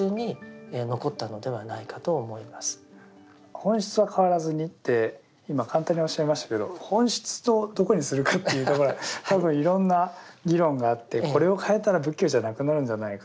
本質は変わらずにって今簡単におっしゃいましたけど本質をどこにするかっていうところは多分いろんな議論があってこれを変えたら仏教じゃなくなるんじゃないか。